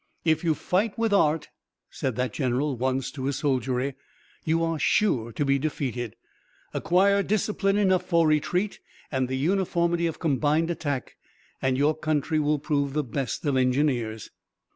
"If you fight with art," said that general once to his soldiery, "you are sure to be defeated. Acquire discipline enough for retreat and the uniformity of combined attack, and your country will prove the best of engineers."